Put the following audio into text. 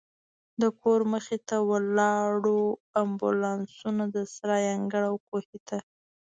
د کور مخې ته ولاړو امبولانسونو، د سرای انګړ او کوهي ته.